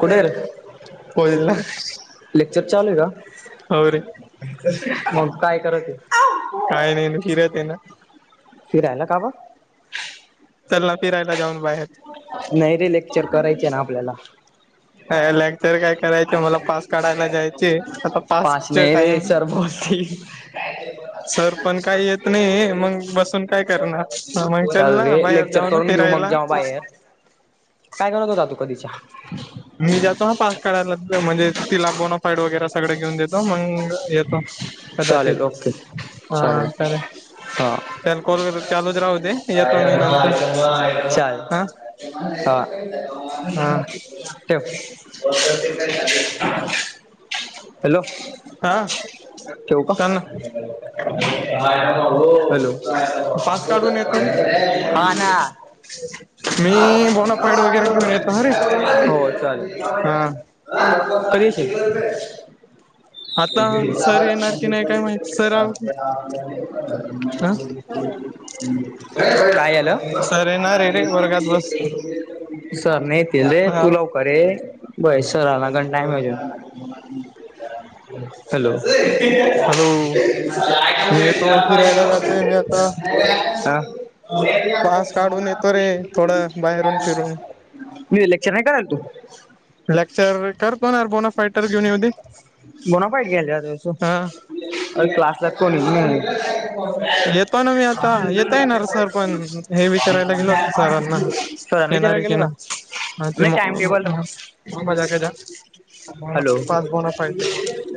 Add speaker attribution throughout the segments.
Speaker 1: कुठे
Speaker 2: कॉलेजला
Speaker 1: आहेर लेक्चर चालू आहे का?
Speaker 2: हो रे
Speaker 1: मग काय करते?
Speaker 2: काय नाही न फिरत आहे ना.
Speaker 1: फिरायला का ब?
Speaker 2: चलना फिरायला जाऊन बाहेर.
Speaker 1: नाहीये लेक्चर करायचे ना आपल्याला.
Speaker 2: लेक्चर काय करायच मला पास काढायला जायचे आता
Speaker 1: पाच
Speaker 2: पासचे
Speaker 1: नाही रे
Speaker 2: टाइम
Speaker 1: [inaudible]
Speaker 2: सर पण काही येत नाहीये मग बसून काय करणार मग चल ना. बाहेर
Speaker 1: लेक्चर
Speaker 2: जाऊन
Speaker 1: करून घेऊ मग
Speaker 2: फिरायला
Speaker 1: जेव्हा बाहेर काय करत होता तू कधीच्या
Speaker 2: मी जातो हा पास काढयला म्हणजे तिला बोनोफाईड वगैरे सगळं घेऊन देतो मग येतो. कदाचित
Speaker 1: चालेल ओके
Speaker 2: हा
Speaker 1: चालेल
Speaker 2: तर
Speaker 1: हा
Speaker 2: त्याल कॉलवर चालूच राहू दे येतो मी नंतर
Speaker 1: चालेल
Speaker 2: हांं.
Speaker 1: हा ठेव हॅलो?
Speaker 2: हां.
Speaker 1: ठेऊ का? हॅलो?
Speaker 2: पास काढून येतो रे
Speaker 1: हां ना.
Speaker 2: मी बोनाफाईड वगैरे घेऊन येतो अरे
Speaker 1: हो
Speaker 2: हा
Speaker 1: चालेल. [unintelligible]
Speaker 2: आता सर येणार
Speaker 1: [unintelligible]
Speaker 2: की नाही काय माहिती सर ह
Speaker 1: काय झालं
Speaker 2: सर येणार आहे रे वर्गात बस
Speaker 1: सर न येतील रे
Speaker 2: हा
Speaker 1: तू लव कर ये बय सरांना गण टाईम होऊन जाईल. हॅलो? [unintelligible] [inaudible] मी
Speaker 2: हॅलो मी येतो फिरायला जातोय मी आता पास काढून येतो रे थोडं बाहेरून फिरून
Speaker 1: इलेक्शन हे कराय करतो.
Speaker 2: लेक्चर कर कोणा
Speaker 1: बोनाफाईट घ्यायला आलो होतो.
Speaker 2: हा
Speaker 1: क्लासला कोणीही नाहीये.
Speaker 2: येतो ना मी
Speaker 1: [inaudible]
Speaker 2: आता येता येणार सर पण हे विचारायला गेलो होत सरांना
Speaker 1: सराला
Speaker 2: येणार
Speaker 1: विचारयला
Speaker 2: आहे
Speaker 1: गेल
Speaker 2: की
Speaker 1: हो टाइम टेबल हॅलो
Speaker 2: [unintelligible]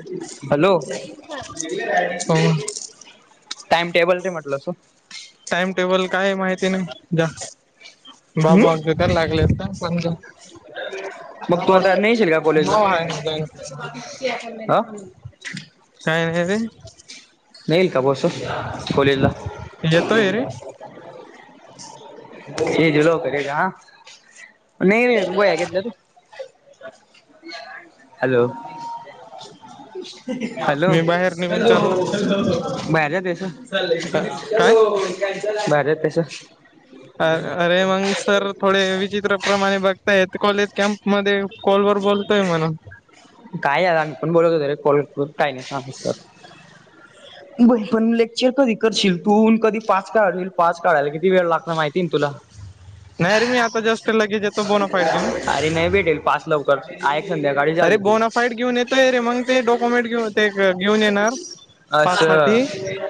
Speaker 1: हॅलो
Speaker 2: हम
Speaker 1: टाइम टेबल दे म्हटलं अस.
Speaker 2: टाइम टेबल काय माहिती नाही जा बाबु अगे
Speaker 1: हम्म
Speaker 2: तर लागले असता म्हणजे
Speaker 1: मग तू आता नाही येशील का कॉलेजला?
Speaker 2: मऊ आहे ना
Speaker 1: आ?
Speaker 2: काय नाही ते?
Speaker 1: नाही येईल का बा अस कॉलेजला?
Speaker 2: येतोय रे
Speaker 1: [unintelligible] नाही रे गोळ्या घेतल्या तू? हॅलो? हॅलो?
Speaker 2: मी बाहेर निघून चालला काय
Speaker 1: [unintelligible]
Speaker 2: अर अरे मग सर थोडे विचित्रप्रमाणे बघतायत कॉलेज कॅम्प मध्ये कॉल वर बोलतोय म्हणा.
Speaker 1: [unintelligible]
Speaker 2: [inaudible]
Speaker 1: बई पण लेक्चर कधी करशील तू कधी पाच काढील पाच काढायला किती वेळ लागत माहिती ना तुला.
Speaker 2: नाही रे मी आता जेस्ट लगेज येतो बोनाफाईट घेऊन.
Speaker 1: अरे नाही भेटेल, पास लव आहे एक संध्या
Speaker 2: अरे बोनाफाईड घेऊन येतोय, रे मग ते डॉक्युमेंट घेऊन ते घेऊन येणार. पास साठी
Speaker 1: असं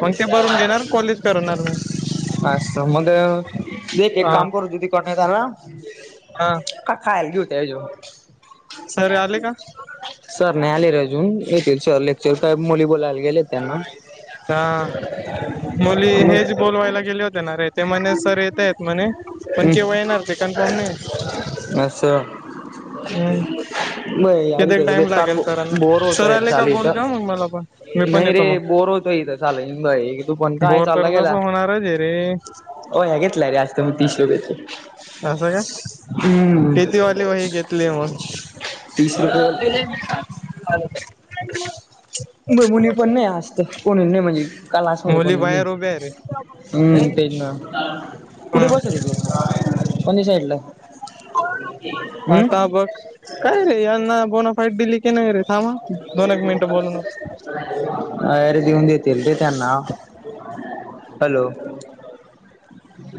Speaker 2: मग ते भरून घेणार कॉलेज करणार मग
Speaker 1: अस मग,
Speaker 2: हा
Speaker 1: [unintelligible]
Speaker 2: हा.
Speaker 1: का खायल एवढ्या जवळून?
Speaker 2: सर आले का?
Speaker 1: सर नाही आले र अजून, येतील सर लेक्चर काय मुली बोलायला गेलेत त्यांना
Speaker 2: हा मुली
Speaker 1: मग
Speaker 2: हेच बोलवायला गेले होते ना रे, ते म्हणे सर येतायेत. म्हणे, पण केव्हा येणार ते कन्फर्म नाहीये.
Speaker 1: अस. नाही या रित
Speaker 2: कितीक टाइम
Speaker 1: बेकार
Speaker 2: लागेल
Speaker 1: बो
Speaker 2: सरांना
Speaker 1: बोर
Speaker 2: सर
Speaker 1: होतये
Speaker 2: आले का बोल
Speaker 1: चालायचं.
Speaker 2: जा मग मला पण मी पण
Speaker 1: नाही रे
Speaker 2: येतो मग
Speaker 1: बोर होतोय इथे, चालायची पाळी
Speaker 2: बोर तर तसं होणारच ये रे.
Speaker 1: वह्या घेतला रे आज [unintelligible]
Speaker 2: असं का?
Speaker 1: हम्म
Speaker 2: कितीवाली वही घेतली ये मग?
Speaker 1: तीस रुपया
Speaker 2: ह [unintelligible]
Speaker 1: म मुली पण नाही आजतर, कोणी नाही म्हणजे, क्लासमध्ये
Speaker 2: मुली
Speaker 1: कोणी नाही.
Speaker 2: बाहेर उभ्या आहे रे
Speaker 1: हम् तेच ना. कुठे बसत
Speaker 2: हम्म
Speaker 1: तू, पनी साईडला हम्म.
Speaker 2: आता बघ काय रे यांना बोनाफाईट दिली की नाही रे, थांबा दोन एक मिनिटं बोलून हो.
Speaker 1: आयर घेऊन देतील रे त्यांना. Hello,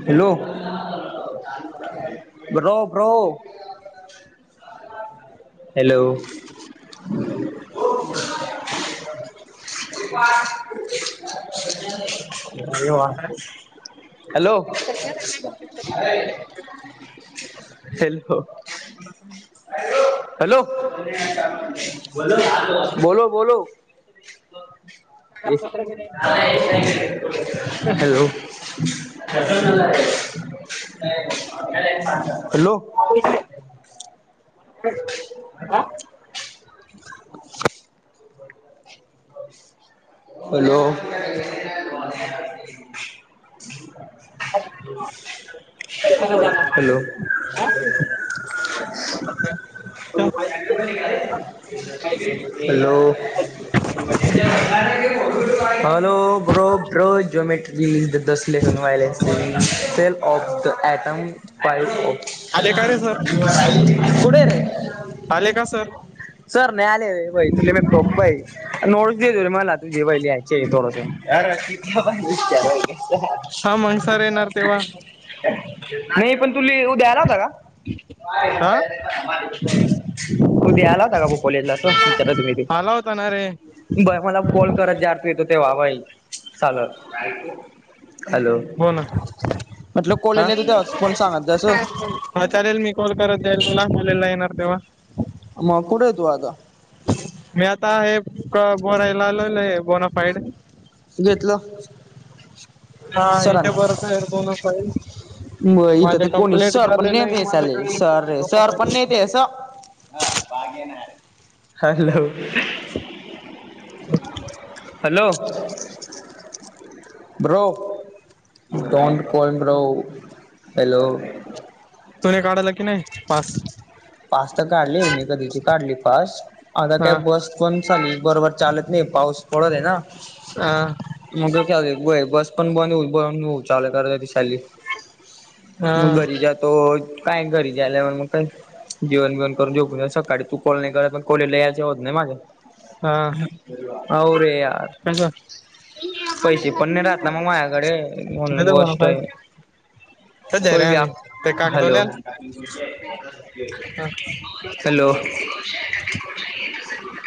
Speaker 1: hello. Bro, bro. Hello. Hello. Hello. Hello बोलो बोलो hello, hello,
Speaker 2: [inaudible]
Speaker 1: hello [inaudible] hello
Speaker 2: [unintelligible] [unintelligible]
Speaker 1: hello hello bro bro जोमॅ [unintelligible] जनस the this lesson व्हायलेस सेल ऑफ द ऍटम पा
Speaker 2: आले का रे
Speaker 1: ऑफ
Speaker 2: सर
Speaker 1: कुठय रे?
Speaker 2: आले का सर
Speaker 1: सर नाय आले व्हय तुला मी टोकतोय. नोटस दिलेले मला तुझे पहिली यायची आहे थोडंस [unintelligible]
Speaker 2: हा मंग सर येणार तेव्हा
Speaker 1: नाही पण तुली उद्याय नवता का
Speaker 2: हा
Speaker 1: तू ते आला होता का कॉलेजला असो विचारायला ते
Speaker 2: आला होता ना रे
Speaker 1: बरं मला कॉल करत जार तू येतो ते व्हावाई चालल. हॅलो
Speaker 2: हो ना
Speaker 1: म्हटल कॉल
Speaker 2: हा
Speaker 1: लेले तो त्यावेळेस
Speaker 2: हा चालेल मी कॉल करत जाईल तुला मुलेला येणार तेव्हा.
Speaker 1: म कुठंय तू आता
Speaker 2: मी आता आहे बोरायला आलेलोय बोना फाईड
Speaker 1: घेतलं.
Speaker 2: हा इथे भरत आहे बोनाफाईल
Speaker 1: मग इथं तर कोणी सर पण नेते चालेल
Speaker 2: माझ्याकडे
Speaker 1: सर सर पण
Speaker 2: डॉक्युमेंट
Speaker 1: नेते स ह hello
Speaker 2: [unintelligible]
Speaker 1: hello bro don't call bro hello
Speaker 2: तुने काढायला की नाय पास
Speaker 1: पास त काढली मी कधीची काढली पास आता काय
Speaker 2: हा
Speaker 1: बस पण चालली बरोबर चालत नाय पाऊस पडत आहे ना
Speaker 2: आ
Speaker 1: मग ख्याल बस पण बद बद चाले कार ती चालली.
Speaker 2: हा
Speaker 1: मग घरी जातो काय घरी जाल्यावर मग काय जेवण बिवण करून झोपून सकाळी तू कॉल नाय करत पण कॉलेजला यायचं होत नाय माझं
Speaker 2: हा
Speaker 1: अव रे यार
Speaker 2: कसं
Speaker 1: पैसे पण नाय राहत ना मग माझ्याकडे म्हणुन
Speaker 2: दादा बोनाफाईड
Speaker 1: मोजतोय.
Speaker 2: सध्या रे
Speaker 1: तरी बी
Speaker 2: आम्ही
Speaker 1: आप
Speaker 2: ते
Speaker 1: हॅलो
Speaker 2: कागदोल्याल हा
Speaker 1: हॅलो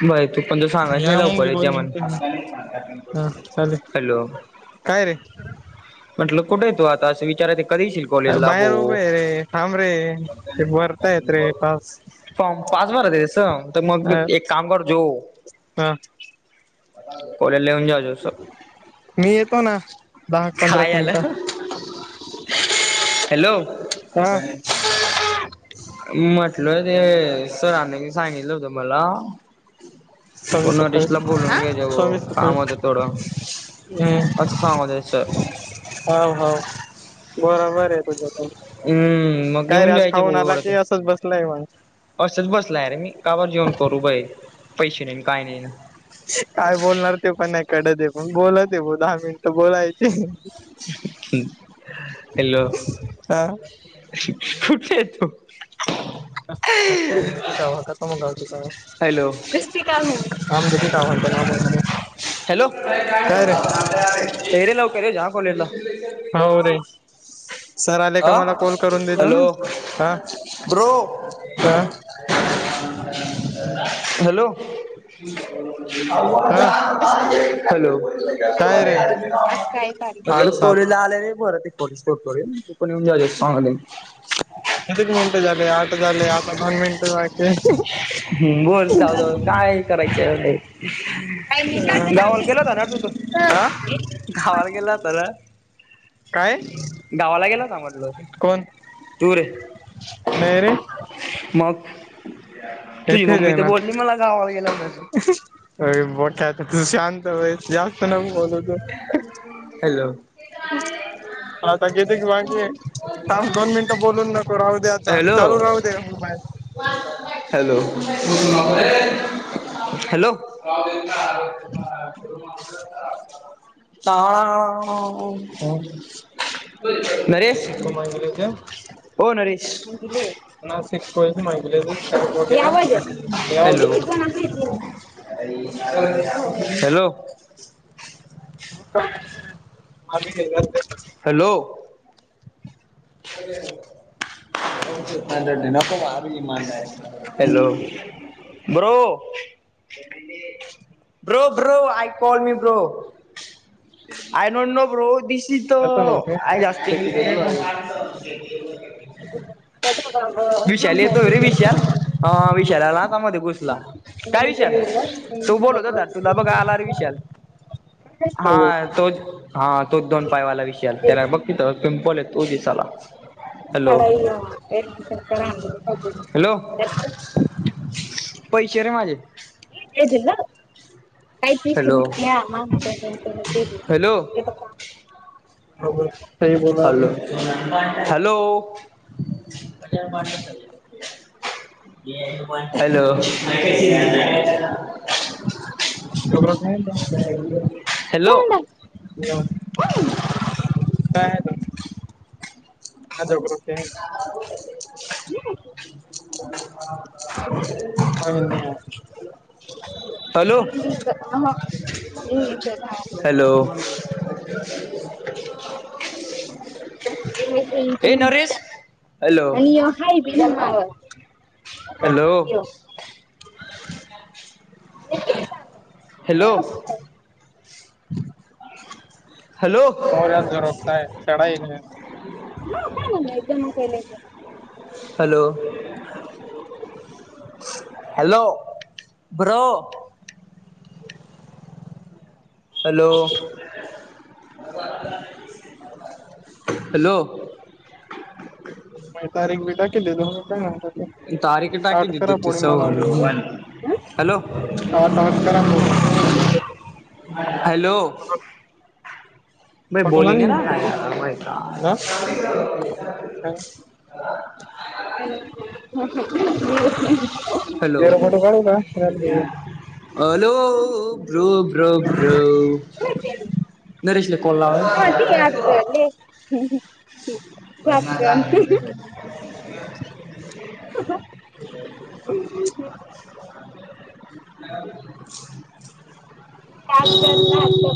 Speaker 1: बर तू पण तो सांगायच
Speaker 2: मी
Speaker 1: नाय
Speaker 2: आमून
Speaker 1: लवकर
Speaker 2: बी
Speaker 1: येते
Speaker 2: बोल
Speaker 1: जा म्हणून
Speaker 2: हा चालेल
Speaker 1: हॅलो
Speaker 2: काय रे
Speaker 1: म्हटलं कुठेेय तु आता असं विचारयं कधी येशील?
Speaker 2: अ
Speaker 1: कॉलेजला
Speaker 2: बाहेर
Speaker 1: भो
Speaker 2: उभाय रे थांब रे ते भरतायेत र टास्क
Speaker 1: फॉर्म पास भरत्यांतस तर मग एक काम कर जो
Speaker 2: हा
Speaker 1: कॉलेजला येऊन जाजो स
Speaker 2: मी येतो ना. दहा पंधरा
Speaker 1: हाय
Speaker 2: मिनिटं
Speaker 1: आलं हॅलो
Speaker 2: हा
Speaker 1: [unintelligible] म्हटलय ते सरांनी सांगितलं होत मला
Speaker 2: सव्वीस सत्तावीस
Speaker 1: नोटिसला बोलून घ्या जेव भो
Speaker 2: सव्वीस
Speaker 1: काम होत
Speaker 2: सत्तावीस
Speaker 1: थोडं
Speaker 2: हम्म
Speaker 1: असं सांगाव त्यास [unintelligible]
Speaker 2: हाव हाव बरोबर आहे तुझं
Speaker 1: हम्म मग
Speaker 2: काय रे
Speaker 1: घेऊन
Speaker 2: आज
Speaker 1: जायचे
Speaker 2: खाऊन
Speaker 1: भाऊ
Speaker 2: आला
Speaker 1: एवढं
Speaker 2: की
Speaker 1: ते
Speaker 2: असंच बसलंय म्हण
Speaker 1: असंच बसला आहे रे मी काभार जेऊन करू बाहेर पैसे नाही काय नाही न
Speaker 2: काय बोलणार ते पण नाही कडत हे पण बोलत हे भो दहा मिनिट बोलायचे
Speaker 1: हम हॅलो
Speaker 2: हा
Speaker 1: कुठ ये तो
Speaker 2: [unintelligible] कावा [inaudible] कोन गांव ची सांगा
Speaker 1: हॅलो
Speaker 2: क्रिस्पी काहू का म्हणते का म्हणते ना काय रे
Speaker 1: येरे लवकर ये जा कॉलेजला
Speaker 2: हाव रे सर आले
Speaker 1: हा
Speaker 2: का मला कॉल करून देजो ना
Speaker 1: हॅलो
Speaker 2: हा
Speaker 1: ब्रो
Speaker 2: हा
Speaker 1: [unintelligible] [inaudible] हॅलो [unintelligible] [inaudible]
Speaker 2: हा
Speaker 1: हॅलो
Speaker 2: काय रे आज काय तारीख
Speaker 1: अर
Speaker 2: आठ सात
Speaker 1: कोरीला आलेले परत एक पोलीस कोरीला तु पण येऊन जाऊ सांगले
Speaker 2: कितीक मिनिटं झाले आठ झाले आता दोन मिनिटं बाकी आहेत.
Speaker 1: हम्म बोल जाऊ जाऊ काय करायच आहे.
Speaker 2: काय नीट लागलं ना
Speaker 1: गावाला गेला
Speaker 2: आम्ही
Speaker 1: होता का तु त
Speaker 2: हा
Speaker 1: गावाला गेला होताना
Speaker 2: काय
Speaker 1: गावाला गेला होता म्हटल
Speaker 2: कोण नाही रे
Speaker 1: मग तुझी
Speaker 2: इथेच
Speaker 1: मम्मी
Speaker 2: आहे
Speaker 1: तर
Speaker 2: ना
Speaker 1: बोलली मला गावाला गेला होता तु
Speaker 2: अय बोठया तू शांत बयीस जास्त नको बोलु तु
Speaker 1: हॅलो इथे आलेले
Speaker 2: आता किती बाकी ये थांब दोन मिनिटं बोलून नको राहू दे आता चालू
Speaker 1: हॅलो
Speaker 2: राहू दे मोबाईल
Speaker 1: [unintelligible] हॅलो ये [unintelligible] हॅलो [unintelligible] ताळाळाहमफम नरेश
Speaker 2: शिक
Speaker 1: ओ नरेश
Speaker 2: घे नासिक कोयद माहिलीस [unintelligible] यावल
Speaker 1: हॅलो
Speaker 2: ये [inaudible] [unintelligible]
Speaker 1: हॅलो
Speaker 2: मागे [unintelligible] [inaudible]
Speaker 1: hello. [inaudible] [unintelligible] Hello! Bro bro bro... I call me bro I don't know bro... this is the
Speaker 2: आता नव्हते
Speaker 1: आय
Speaker 2: ते
Speaker 1: आस्किंग
Speaker 2: केलेल आहे हो
Speaker 1: [unintelligible]
Speaker 2: [inaudible]
Speaker 1: विशाल... येतोय रे विशाल... आ... विशाल आला.... आता मध्ये घुसला काय विशाल... तो बोलत होता तुला.... बघ आला ररे विशाल हा तोच हा तोच दोन पायवाला विशाल... त्याला बघ तिथ
Speaker 2: शाळा
Speaker 1: पिंपल ए तो दिसाला हॅलो
Speaker 2: [inaudible]
Speaker 1: पैशे रे माझे
Speaker 2: [unintelligible] काय ते...
Speaker 1: हॅलो हॅलो
Speaker 2: [inaudible] [inaudible]
Speaker 1: हॅलो!
Speaker 2: आपण
Speaker 1: हॅलो! [inaudible] हॅलो हॅलो
Speaker 2: कोन्डा काय आहे ते [inaudible] काय
Speaker 1: [unintelligible] [inaudible] हॅलो! हॅलो!
Speaker 2: नाही
Speaker 1: हे
Speaker 2: आहे.
Speaker 1: नरेश. हॅलो
Speaker 2: आणि ये हाय बी.
Speaker 1: Hello! Hello! Hello!
Speaker 2: [inaudible]
Speaker 1: Hello! Hello bro! Hello! Hello!
Speaker 2: म तारीख बी टा केली दोघ का.
Speaker 1: तारीक टाकी द तू सव
Speaker 2: मी
Speaker 1: हल हॅलो.
Speaker 2: [inaudible]
Speaker 1: हॅलो! बोली नाही ना गता
Speaker 2: हा काय
Speaker 1: का. Hello
Speaker 2: [inaudible]
Speaker 1: hello! Bro bro bro नरेशले कॉल लावा.
Speaker 2: [inaudible] कर
Speaker 1: [inaudible] [inaudible]
Speaker 2: [inaudible]